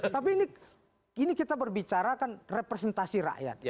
tapi ini kita berbicara kan representasi rakyat